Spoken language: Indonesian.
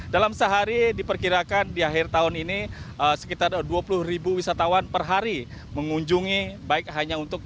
dalam sehari diperkirakan di akhir tahun ini sekitar dua puluh ribu wisatawan per hari mengunjungi baik hanya untuk